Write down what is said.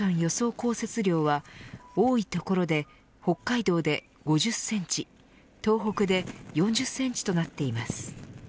降雪量は多いところで北海道で５０センチ東北で４０センチとなっています。